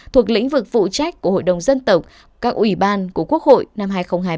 thuộc lĩnh vực vụ trách của hội đồng dân tộc các ủy ban của quốc hội năm hai nghìn hai mươi